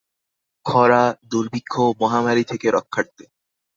ক্ষরা, দূর্ভিক্ষ, মহামারী থেকে রক্ষার্থে।